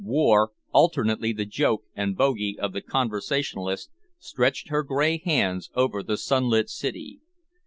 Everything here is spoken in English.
War, alternately the joke and bogey of the conversationalist, stretched her grey hands over the sunlit city.